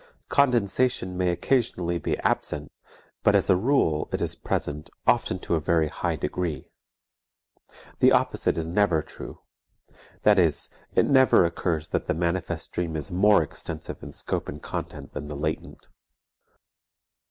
Condensation may occasionally be absent, but as a rule it is present, often to a very high degree. The opposite is never true, that is, it never occurs that the manifest dream is more extensive in scope and content than the latent.